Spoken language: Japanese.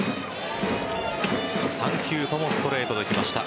３球ともストレートできました。